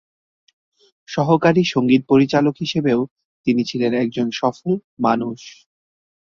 সহকারী সংগীত পরিচালক হিসেবেও তিনি ছিলেন একজন সফল মানুষ।